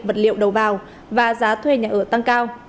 vật liệu đầu vào và giá thuê nhà ở tăng cao